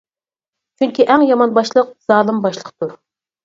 چۈنكى ئەڭ يامان باشلىق زالىم باشلىقتۇر!